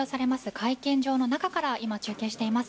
会見場の中から今、中継しています。